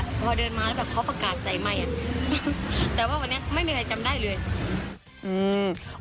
แต่ว่าวันนี้ไม่มีใครจำได้เลย